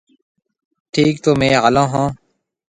ٺيڪ تو ميه هالون هون۔